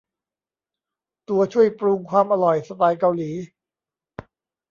ตัวช่วยปรุงความอร่อยสไตล์เกาหลี